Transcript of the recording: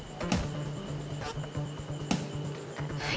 ini semua salah tante roman